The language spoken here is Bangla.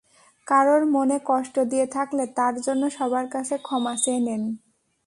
কারও মনে কষ্ট দিয়ে থাকলে তার জন্য সবার কাছে ক্ষমা চেয়ে নেন।